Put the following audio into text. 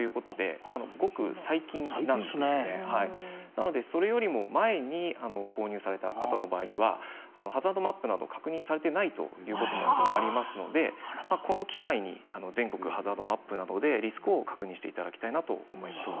なのでそれよりも前に購入された方の場合にはハザードマップなど確認されてないということもありますのでこの機会に全国ハザードマップなどでリスクを確認していただきたいなと思います。